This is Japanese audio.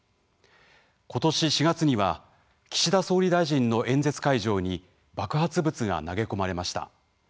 今年４月には岸田総理大臣の演説会場に爆発物が投げ込まれました。